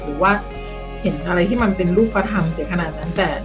หรือว่าเห็นอะไรที่มันเป็นรูปธรรมแต่ขนาดนั้น